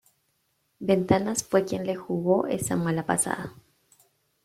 ventanas fue quien le jugó esa mala pasada